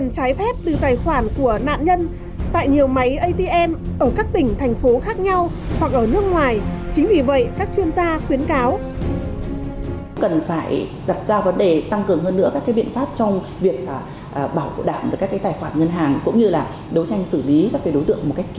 các tài khoản ngân hàng cũng như là đấu tranh xử lý các đối tượng một cách kịp thời